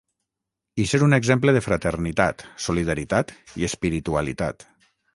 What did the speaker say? I ser un exemple de fraternitat, solidaritat i espiritualitat.